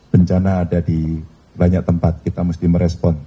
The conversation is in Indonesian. bencana ada di banyak tempat kita mesti merespon